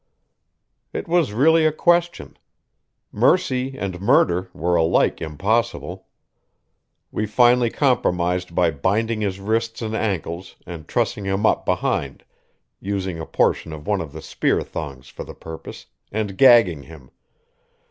It was really a question. Mercy and murder were alike impossible. We finally compromised by binding his wrists and ankles and trussing him up behind, using a portion of one of the spear thongs for the purpose, and gagging him.